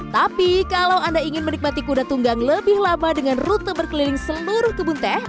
tapi kalau anda ingin menikmati kuda tunggang lebih lama dengan rute berkeliling seluruh kebun teh